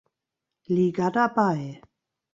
Liga dabei.